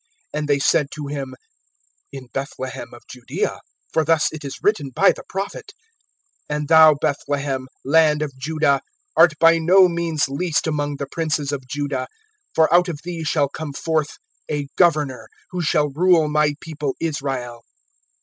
(5)And they said to him: In Bethlehem of Judaea; for thus it is written by the prophet: (6)And thou Bethlehem, land of Judah, Art by no means least among the princes of Judah; For out of thee shall come forth a Governor, Who shall rule my people Israel.